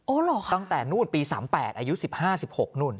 เหรอคะตั้งแต่นู่นปี๓๘อายุ๑๕๑๖นู่น